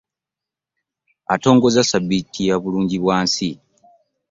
Atongozza ssaabbiiti ya bulungibwansi